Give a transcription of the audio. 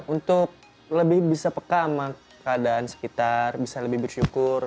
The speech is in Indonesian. untuk lebih bisa peka sama keadaan sekitar bisa lebih bersyukur